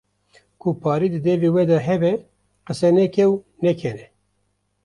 Ku parî di deve we de hebe qise neke û nekene